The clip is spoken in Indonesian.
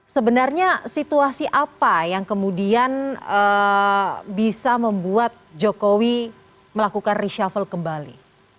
sebenarnya situasi apa yang kemudian bisa membuat jokowi melakukan reshuffle kembali